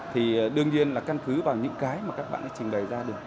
thì đương nhiên là căn cứ vào những cái mà các bạn đã trình bày ra được